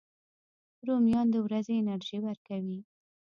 رومیان د ورځې انرژي ورکوي